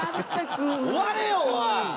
終われよおい！